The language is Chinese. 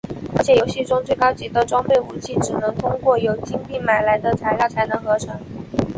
而且游戏中最高级的装备武器只能通过由金币买来的材料才能合成。